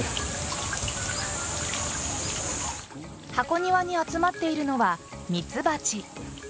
箱庭に集まっているのはミツバチ。